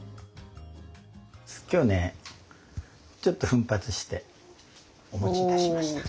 今日ねちょっと奮発してお持ちいたしました。